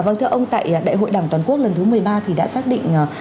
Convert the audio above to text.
vâng thưa ông tại đại hội đảng toàn quốc lần thứ một mươi ba thì đã xác định